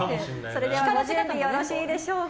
それではご準備よろしいでしょうか。